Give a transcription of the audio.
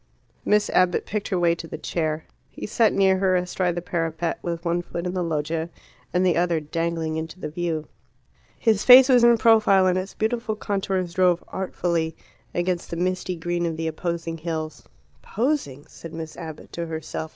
Miss Abbott picked her way to the chair. He sat near her, astride the parapet, with one foot in the loggia and the other dangling into the view. His face was in profile, and its beautiful contours drove artfully against the misty green of the opposing hills. "Posing!" said Miss Abbott to herself.